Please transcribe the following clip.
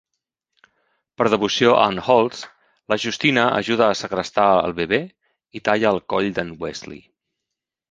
Per devoció a en Holtz, la Justina ajuda a segrestar el bebè i talla el coll d'n Wesley.